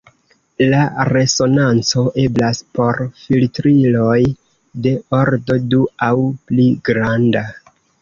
La resonanco eblas por filtriloj de ordo du aŭ pli granda.